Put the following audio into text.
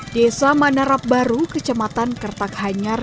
desa manarap baru kecamatan kertak hanyar